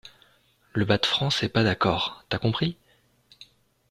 Le-Bas-de-France est pas d’accord, t’as compris?